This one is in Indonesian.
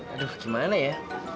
aduh gimana ya